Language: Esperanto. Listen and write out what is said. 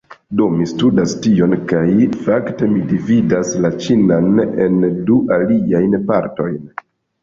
Do, mi studas tion kaj, fakte, mi dividas la ĉinan en du aliajn partojn